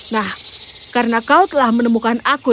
nah karena kau telah menemukan aku